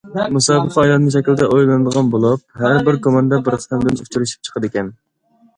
مۇسابىقە ئايلانما شەكىلدە ئوينىلىدىغان بولۇپ، ھەربىر كوماندا بىر قېتىمدىن ئۇچرىشىپ چىقىدىكەن.